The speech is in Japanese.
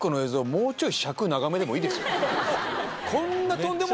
もうちょい尺長めでもいいですよ